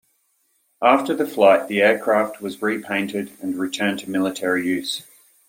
After the flight, the aircraft was repainted and returned to military use.